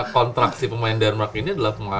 kontrak si pemain denmark ini adalah